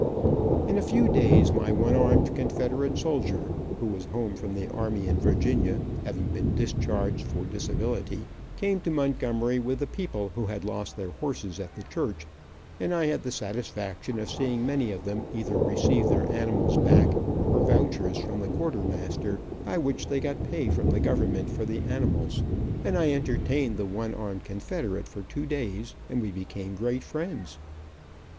In a few days my one armed confederate soldier, who was home from the army in Virginia, having been discharged for disability, came to Montgomery with the people who had lost their horses at the church, and I had the satisfaction of seeing many of them either receive their animals back, or vouchers from the quartermaster, by which they got pay from the government for the animals. And I entertained the one armed confederate for two days, and we became great friends.